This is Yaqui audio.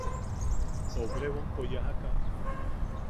Obregonpo yajaka.